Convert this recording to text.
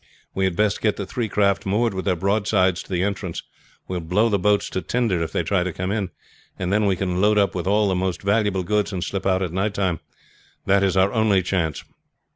We had best get the three craft moored with their broadsides to the entrance. We will blow the boats to tinder if they try to come in, and then we can load up with all the most valuable goods and slip out at night time. That is our only chance."